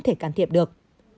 không thể can thiệp được